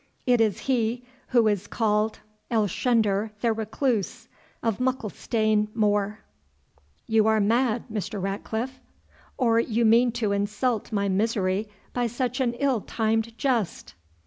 "It is he who is called Elshender the Recluse of Mucklestane Moor." "You are mad, Mr. Ratcliffe, or you mean to insult my misery by an ill timed jest!"